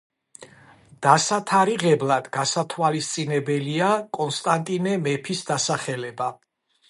დასათარიღებლად გასათვალისწინებელია კონსტანტინე მეფის დასახელება.